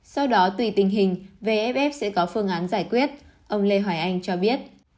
sau đó tùy tình hình vff sẽ có phương án giải quyết ông lê hoài anh cho biết